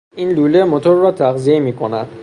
این لوله موتور را تغذیه میکند.